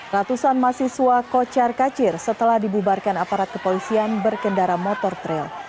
ratusan mahasiswa kocar kacir setelah dibubarkan aparat kepolisian berkendara motor trail